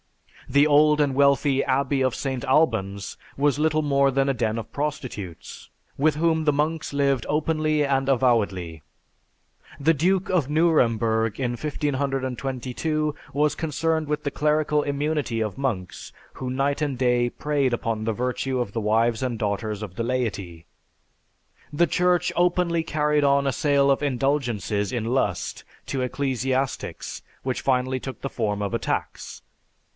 The old and wealthy Abbey of St. Albans was little more than a den of prostitutes, with whom the monks lived openly and avowedly. The Duke of Nuremburg, in 1522, was concerned with the clerical immunity of monks who night and day preyed upon the virtue of the wives and daughters of the laity. The Church openly carried on a sale of indulgences in lust to ecclesiastics which finally took the form of a tax.